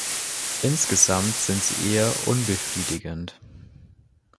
Insgesamt sind sie eher unbefriedigend.